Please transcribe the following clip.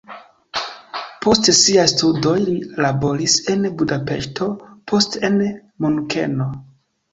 Post siaj studoj li laboris en Budapeŝto, poste en Munkeno.